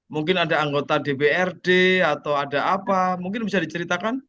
mungkin ada anggota dprd atau ada apa mungkin bisa diceritakan